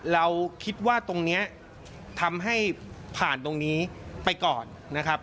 เราคิดว่าตรงนี้ทำให้ผ่านตรงนี้ไปก่อนนะครับ